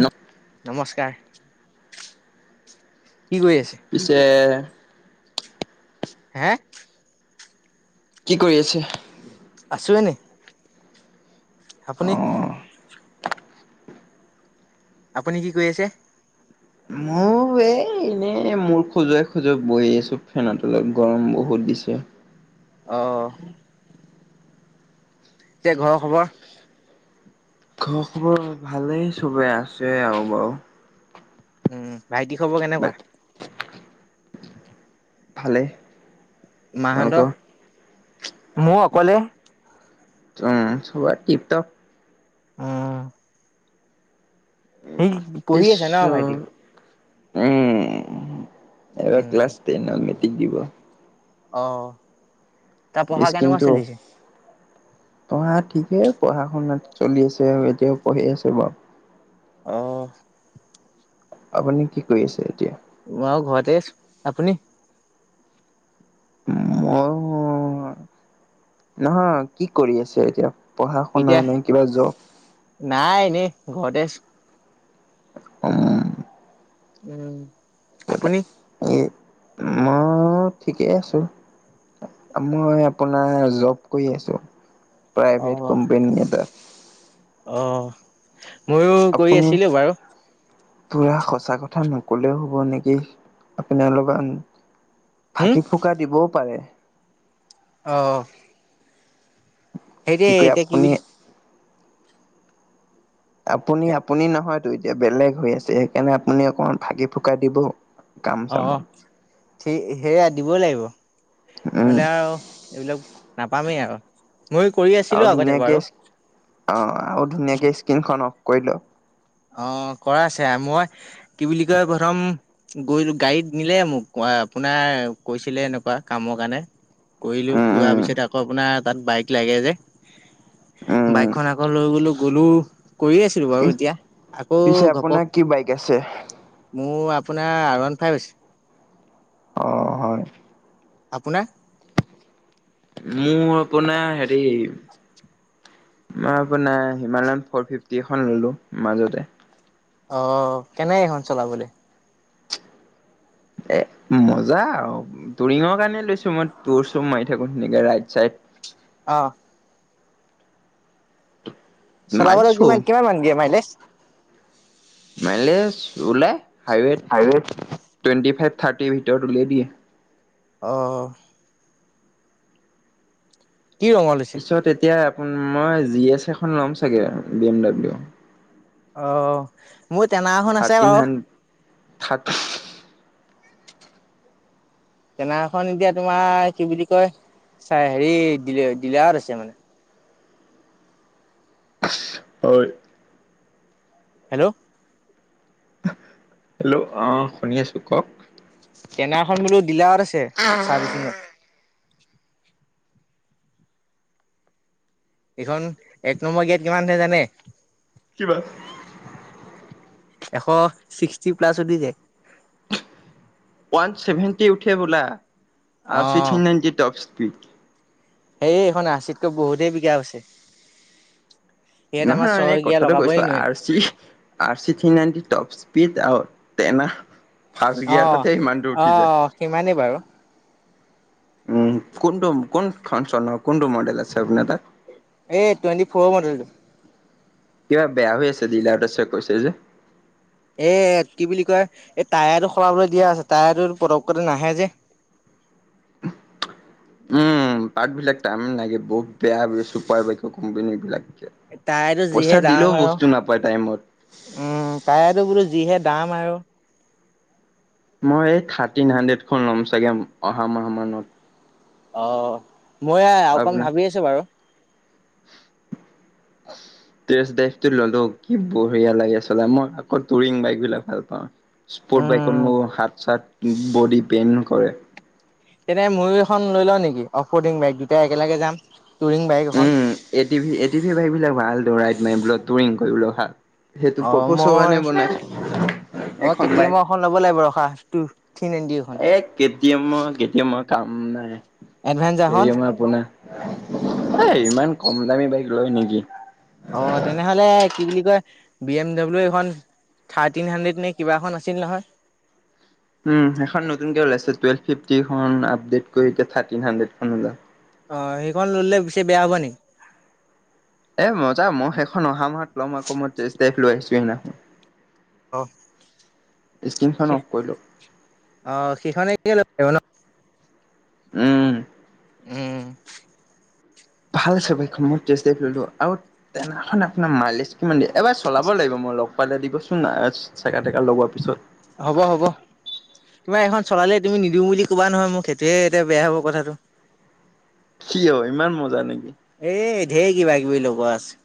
ন নমস্কাৰ। [unintelligible] পিছে, হে, কি কৰি আছে? আছো এনে আপুনি? অ'। আপুনি কি কৈ আছে? মোৰ এই এনেই মোৰ খোজুৱাই খোজুৱাই বহি আছো ফেন তলত গৰম বহুত দিছে, অ'। এতিয়া ঘৰৰ খবৰ? ঘৰ খবৰ ভালেই চবে আছে আৰু বাৰু। উম। ভাইটি খবৰ কেনেকুৱা? ভালে। মা হদ ম অকলে। অ' সব টিপ টপ। উম। সি পঢ়ি পিছ আছো ন ভাইটি উম। এবাৰ উম ক্লাছ টেন অ'। তি দিব অ'। তাৰ পঢ়া কেনেকুৱা স্কিমটো চলিছে? পঢ়া ঠিকে পঢ়া শুনাত চলি আছে আৰু এতিয়াও পঢ়ি আছে বাৰু। অ'। আপুনি কি কৰি আছে এতিয়া? মই ঘৰতে আছো। আপুনি? মই নহয় কি কৰি আছে এতিয়া? পঢ়া শুনা এতিয়া নাই কিবা যব? নাই এনেই ঘৰতে আছোঁ। উম। উম। আপুনি? এই মই ঠিকেই আছো, মই আপোনাৰ জব কৰি আছো। অ প্ৰাইভেট কোম্পানী এটা। অ'। ময়ো কৰি আপুনি আছিলো বাৰু। পুৰা সঁচা কথা নকলেও হ'ব নেকি, আপোনাৰ লগত হম ফাকি ফুকা দিব পাৰে অহ। সেইৰি কয় এতিয়া কি আপুনি বুলি আপুনি আপুনি নহয়তো এতিয়া বেলেগ হৈ আছে সেইকাৰণে আপুনি অকমান ফাঁকি ফুকাই দিব। কাম অ চামৰ সেয়া দিবই লাগিব। উম নহলে আৰু এইবিলাক নাপামেই আৰু ময়ো কৰি আছিলো আৰু আগতে বাৰু ধুনীয়াকে, অ', আৰু ধুনীয়াকে স্কন খক কৰিল অ', কৰা আছে মই কি বুলি কয় প্ৰথম গৈ গাড়ীত নিলে মোক আপোনাৰ কৈছিলে এনেকুৱা কামৰ কাৰণে। কৰিলো, উম কোৱা উম পিছত আকৌ আপোনাৰ তাত বাইক লাগে যে, উম বাইকখন আকৌ লৈ গলো গ'লো কৰি আছিলোঁ বাৰু ই এতিয়া আকৌ পিছে ঘপক আপোনাৰ কি বাইক আছে? মোৰ আপোনাৰ আৰৱণ ফাইভ হৈছে। অ' হয় আপোনাৰ? মোৰ আপোনাৰ হেৰি, মই আপোনাৰ হিমালয়ন ফৰ ফিফটি এখন ললো মাজতে। অ কেনে এইখন চলাবলে? এ মজা আৰু টুৰিঙৰ কাৰণে লৈছো মই তোৰ চো মাৰি থাকো তেনেকে ৰাইট চাইড অ চলাবাৰু মাৰিছো কিমান-কিমান মান দিয়ে মাইলেজ। মাইলেজ ওলাই। হাইৱে হাইৱেত টুৱেণ্টি ফাইভ। থাৰ্টি ভটৰট উলিয়াই দিয়ে। অহ কি ৰঙৰ লৈছে পিছত এতিয়া মই জি এছ এখন ল'ম চাগে বি এম ডাব্লিউ। অহ মোৰ টেনাখন আছে বাৰু। খাকি কেনাৰখন এতিয়া তোমাৰ কি বুলি কয় চাই হেৰি ডিলে ডিলত আছে মানে। হয় হেল্ল' হেল্ল' অ শুনি আছো কওক। তেনাখন বোলো দিলাৰ আছে চাৰ্বি শিঙত। এইখন এক নম্বৰ গেট কিমান উঠে জানে? কি মান? এশ ছিক্সটি প্লাছ উঠি যায়। ওৱান চছেভেন্টি উঠে বোলা। আৰু ছিক্সিন নাইনটি টপ। সই [unintelligible] সে এইখন আচিতকৈ বহুতেই পিকআপ আছে। নহয়-নহয় এনে কথাটো কৈছো R C R C three ninety top speed out তেন আৰ অহ-অহ-অহ সিমানেই বাৰু উম, কোনটো কোন চন কোনটো মডেল আছে আপোনাৰ তাত? এ টুৱেণ্টি ফৰ মডেলটো। কিবা বেয়া হৈ আছে দলা তছে কৈছে যে। এ কি বুলি কয় এই টায়াৰটো সলাবলৈ দিয়া আছে টায়াৰটো পদক কৰি নাহে যে। উম পাৰ্ট বিলাক টাই লাগে বহুত বেয়া চুপাৰ বাইকৰ কোম্পানী বিলাক। তাইতো পইচা যিহে দিলেও দাম আৰু বস্তু নাপায় টাইমত উম তাইটো যদি। যিহে দাম আৰু। মই এই থাৰ্টিন হাড্ৰেড খন ল'ম চাগে অহা মাহ মানত। অহ। মই অকণ ভাবি আছো বাৰু। তেছ ডাইভটো ললো কি বঢ়িয়া লাগে চলাই মই আকৌ টুৰিং বাইক বিলাক ভাল পাওঁ। স্পৰ্ট বাইকৰ উম মোৰ হাত চাত বডি পেইন কৰে। তেনে ময় এখন লৈ লও নেকি? অফৰ্ডিং বেগ দুটাই একেলগে যাম। টুৰিং বাইক এখন উম, A T V A T V bike বিলাক ভাল দৌৰাই। [unintelligible] তুুলিং কৰিবলৈ অহা। অ', মই অ', কে এখন টি এম বাইক। মই এখন ল'ব লাগিব ৰসা। টো এ, কে টি এমৰ কে টি এমৰ কাম নাই। এডভেঞ্চাৰখন হেৰি আমাৰ আপোনাৰ, এই ইমান কম দামী বাইক লয় নেকি। অ', তেনেহ'লে কি বুলি বি এম ডাব্লিউ এইখন, থাৰ্টিন হান্দ্ৰেদ নে কিবা এখন আছিল নহয়? উম, এখন নতুনকে ওলাইছে। টোৱেলভ ফিফটিখন আপডেট কৰি এতিয়া থাৰ্তিন হান্দ্ৰেডখন উলাল। অ', সেইখন ল'লে পিছে বেয়া হ'ব নেকি? এ, মজা মই সেইখন অহা মাহত ল'ম আকৌ, মই টেষ্ট ড্ৰাইভ লৈ আহিছোঁ সেইদিনাখন। অ'। স্ক্ৰীনখন অফ কৰিলো অ', সিখনে [inaudible] ন' উম। উম। ভাল চবখন মই টেষ্ট ড্ৰাইভ ললো আৰু তেনাখন আপোনাৰ মাইলেছ কিমান দ এবাৰ চলাব লাগিব মই লগ পালে দিব চোন না, চেকা টেকা লগোৱাৰ পিছত হ'ব হ'ব তোমাৰ এইখন চলালে তুমি নিদিওঁ বুলি ক'বা নহয় মোক। সেইটোহে এতিয়া বেয়া হ'ব কথাটো। কি অ', ইমান মজা নেকি? এ ধেৰ কিবা কিবি লগোৱা আছে।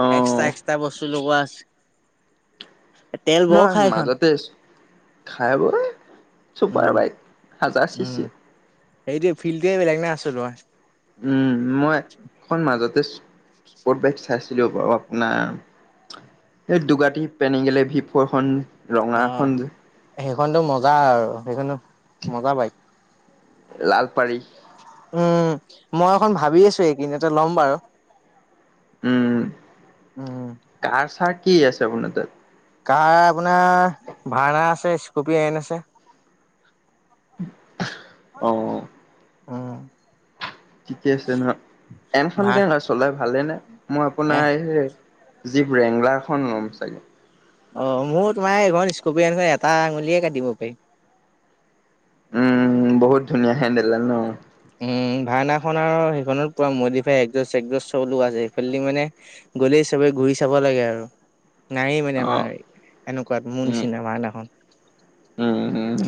অ এক্সট্ৰা এক্সট্ৰা বস্তু লগোৱা আছে। তেল বৰ মই খাই এইখন মাজতে আছো খাই ব চুপাৰ উম বাইক হাজাৰ চি উম চি। সেইটোৱে ফিল্ডটোৱে বেলেগ না আছো [unintelligible] উম, মইখন মাজতে স্পৰ্ট বাইক চাইছিলো বাৰু আপোনাৰ। সেই দুগাতি পেনিগেলে ভি ফ'ৰখন অ ৰঙা খন সেইখনতো মজা আৰু সেইখনো মজা বাইক। লালপাৰী। উম, মই এখন ভাবি আছোঁ এইকিনতে ল'ম বাৰু। উম, উম কাৰ চাৰ কি আছে আপোনাৰ তাত? কাৰ আপোনাৰ ভাড়া আছে, স্কপিঅ এন আছে। অ'। উম। ঠিকে আছে ন। এনখান ভা কেনে চলাই ভ ভালে নে? মই এ আপোনাৰ জিপ ৰেংলাৰখন ল'ম চাগে। অ' মোৰো তোমাৰ এইখন স্কপিনখন এটা আঙুলিয়ে কাটিব পাৰি। উম, বহুত ধুনীয়া হেডেলডাল ন'? উম, ভাওনাখন আৰু সেইখনত পুৰা মোডিফাই, একজছ-চেকজছ চলো আছে। সেইফালদি মানে গ'লেই চবে ঘূৰি চাব লাগে আৰু। নায়েই মানে অ আমাৰ এনেকুৱাত মোৰ নিচিনা ভাওনাখন। উম, উম, উম।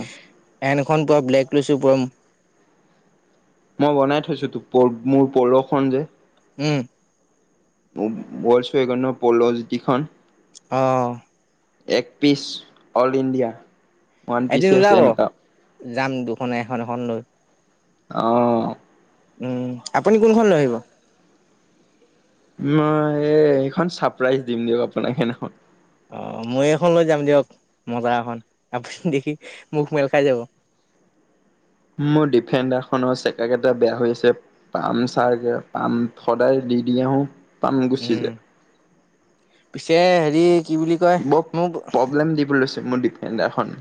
ফেন এখন তই ব্লেক লৈছো, পৰম মই বনাই থৈছো তোক মোৰ পৌৰখন যে। উম। [unintelligible] অঁ। এক piece all India. One piece এদিন আছে ওলাব এনেকা। যাম দুখনে এখন-এখন লৈ। অ'। উম, আপুনি কোনখন লৈ আহিব? মই এই এইখন চাৰপ্ৰাইজ দিম দিয়ক আপোনাক সেইদিনাখন। অ' মই এইখন লৈ যাম দিয়ক মজা এখন, আপুনি দেখি মুখ মেল খাই যাব। মোৰ ডিফেণ্ডাৰ এখনো আছে, চকাকেইটা বেয়া হৈ আছে, পামচাৰ। পাম সদায় দি দি আহো। পামে গুচি উম যায়। পিছে হেৰি কি বুলি কয় বৰ মোক প্ৰব্লেম দিব লৈছে মোৰ ডিফেণ ফেণ্ডাৰ খনে।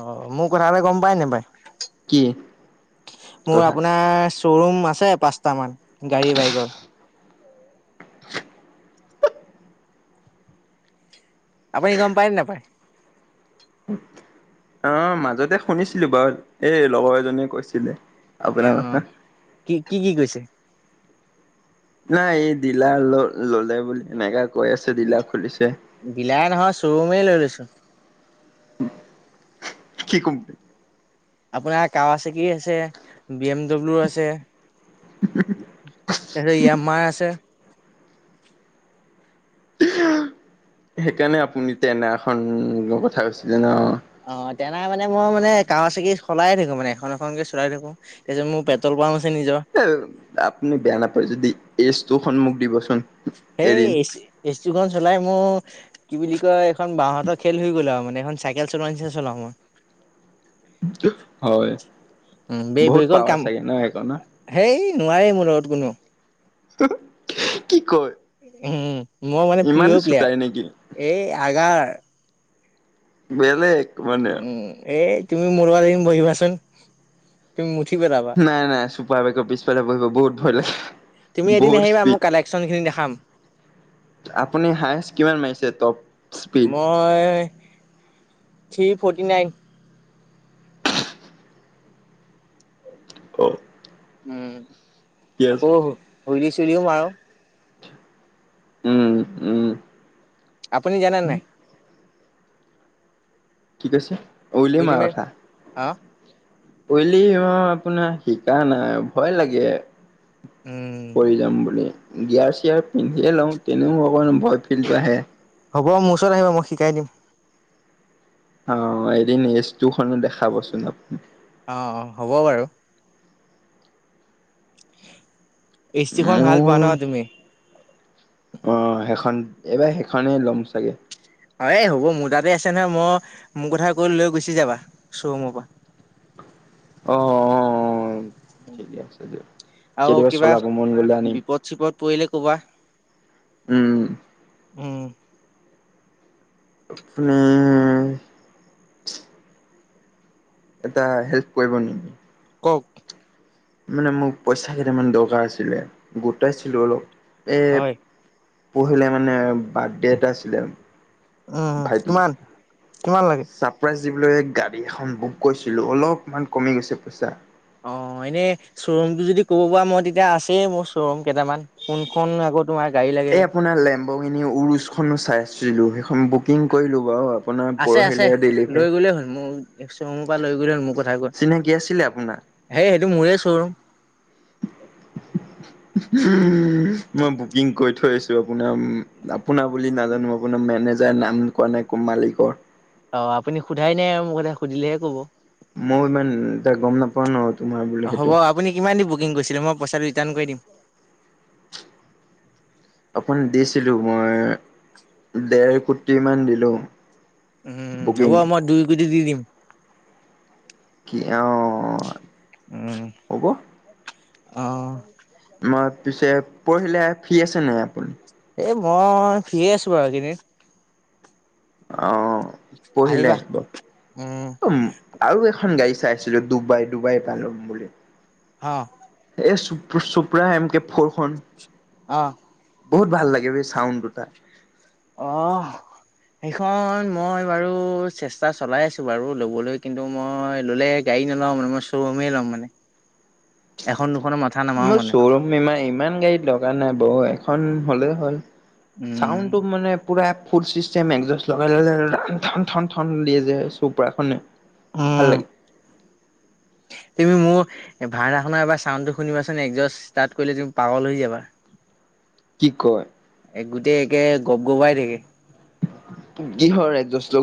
অ' মোৰ কথা এটা গম পায় নেপায়? কি মোৰ কথা? আপোনাৰ শ'ৰুম আছে, পাঁচটা মান গাড়ী বাইকৰ আপুনি গম পায় নে নাপায়? আ'হ, মাজতে শুনিছিলো বাৰু এই লগৰ এজনে কৈছিলে। অ' আপোনাৰ কথা। কি, কি, কি কৈছে? নাই, এই দিলা ল ললে বুলি এনেকা কৈ আছে ডিলাৰ খুলিছে। দিলাই নহয়, চ্বৰুমেই লৈ লৈছো। কি কোম্পানী? আপোনাৰ কাগজ আছে বি এম ডব্লিউ আছে, তাৰছত ইয়ামাৰ আছে। সেইকাৰণে আপুনি তেনাৰখন লোৱাৰ কথা কৈছিলে ন? অঁ, তেনে মানে মই মানে কাওয়াসাকি সলায়ে থাকো মানে এখন এখনকে চলাই থাকো। তাৰপিছত মোৰ পেট্ৰল পাম্প আছে নিজৰ। [unintelligible] আপুনি বেয়া নাপায় যদি এইজটো সন্মুখ দিব চো [unintelligible] খন চলাই মোৰ কি বুলি কয় এখন বাঁহাতৰ খেল হৈ গ'ল আৰু মানে এখন ছাইকেল চলোৱা নিচিনা চলাও মই। হয় উম বে বহুত পাৱাৰ চাগে ন সেইখনৰ নোৱাৰেই মোৰ লগত কোনো। [unintelligible] কি কয় উম। মই মানে ইমান প্ৰিয় চোতাই নেকি প্লেয়াৰ এই আগাৰ বেলেগ মানে উম এই তুমি মোৰ লগত এদিন বহিবাচোন তুমি মুঠি পেলাবা। নাই নাই চুপাৰ বাইকৰ পিছফালে বহিব বহুত ভয় তুমি লাগে। এদিন বহুত আহিবা মোৰ কালেকচন খিনি দেখাম। স্পীড আপুনি হায়ষ্ট কিমান মাৰিছে টপ স্পীড মই থ্ৰী ফৰ্টি নাইন। অ'। উম। কি আছে [unintelligible] [unintelligible] চুলিও মাৰোঁ। উম, উম। আপুনি জানে নে নাই? [unintelligible] হুইলি উলিমাৰ মাৰি [unintelligible] অ', [unintelligible] আপোনাৰ শিকা নাই ভয় লাগে। উম, পৰি যাম বুলি গিয়াৰ চিয়াৰ পিন্ধিয়ে লওঁ তেনেও অকণমান ভয় ফিল তো আহে। হ'ব মোৰ ওচৰত আহিবা মই শিকাই দিম। অঁ এদিন [unintelligible] খনো দেখাবচোন আপুনাৰ। অঁ, অঁ হ'ব বাৰু। ইষ্ট্ৰি খন ভাল পোবা ন তুমি? অঁ সেইখন এইবাৰ সেইখনেই ল'ম চাগে। অঁ, এ হ'ব মোৰ তাতে আছে নহয় মই মোৰ কথা কৈ লৈ গুচি যাবা শ্ব'ৰুমৰ পৰা। অঁ, অঁ-অঁ। ঠিকে আছে দিয়া আৰু কেতিয়াবা কিবা চলাব মন গলে আনিম, বিপদ চিপদ পৰিলে ক'বা উম। উম, আপুনি এটা হেল্প কৰিব নি? কওক মানে মোক পইচা কেইটামান দৰকাৰ আছিলে গোটাইছিলো অলপ এ এম হয় পঢ়িলে মানে বাৰ্থডে এটা আছিলে উম, ভাইটি কিমান কিমান লাগে? ছাৰপ্ৰাইজ যি বোলো গাড়ী এখন বুক কৰিছিলো অলপমান কমি গৈছে পইচা অ এনেই শ্ব'ৰুমটো যদি ক'ব পৰা মই তেতিয়া আছেই মোৰ শ্ব'ৰুম কেইটামান কোনখন আগত তোমাৰ গাড়ী লাগে বা গিনি ওৰোছ খনো চাই আছিলো সেই বুকিং কৰিলো বাৰু আপোনাৰ আছে আছে পৰহিলে লৈ গ'লেই হ'ল মোৰ শ্ব'ৰুমৰ পৰা লৈ গ'লেই হ'ল মোৰ ডেলিভাৰী কথা কৈ চিনাকি আছিলে আপোনাৰ শ্বৰোম মই বুকিং কৰি থৈ আছো আপোনাৰ আপোনাৰ বুলি নাজানো আপোনোৰ মেনেজ যাৰ নাম কোৱা নাই ক মালিকৰ অ আপুনি সোধাই নাই মোক এ সুধিলেহে কব মই ইমান এটা গম নাপাওঁ ন তোমাৰ বুলি হ'ব সেইটো আপুনি কিমান দি বুক কিঙ কৰিছিলে মই পইচাটো ৰিটাৰণ কৰি দিম আপোন দিছিলো মই দেৰ। কোটিমান দিলোঁ উম হ'ব আৰু মই দুই কোটি দি দিম। [inaudible] অ উম ' অ ' হ'ব। অ' পিছে পঢ়িলে ফ্ৰি আছে নাই আপুনি। এ মই ফ্ৰিয়ে আছো বাৰু এই কেইদিন। অ' পৰহিকে আহিবা আহিব উম অ' আৰু এখন গাড়ী চাইছো। ডুবাই ডুবাই পালো বুলি। অ' এই চুপ চোপ্ৰা এম কে ফৰখন। অ ' বহুত ভাল লাগে বে চাউণ্ড দুটা। অ' সেইখন মই বাৰু চেষ্টা চলাই আছো বাৰু লবলৈ কিন্তু মই ললে গাড়ী নলওঁ মানে মই শ্ব'ৰুমেই ল'ম মানে এখন। দুখনৰ মাথা নামাৰো মই মানে [unintelligible] ইমান গাড়ী লগা নাই বয় খন হ'লেই হ'ল। উম। চাউণ্ডটো মানে পুৰা ফুড চিষ্টেম এক্সেস লগাই ললে হ'ল দিয়ে যে চোপাৰখনে ভাল উম, লাগে। তুমি মোৰ ভাওনা শুনাব চাউডটো শুনিবাচোন একজেচ ষ্টাৰ্ট কৰিলে তুমি পাগল হৈ যাবা। কি কয়। এক গোটেই একে গপ গপাই থাকে কিহৰ একজেচটো